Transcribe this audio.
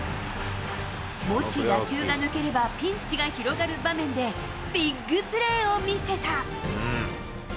もし打球が抜ければ、ピンチが広がる場面でビッグプレーを見せた。